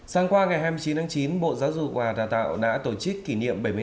sáng qua ngày hai mươi chín chín bộ giáo dục hòa thả tạo đã tổ chức kỷ niệm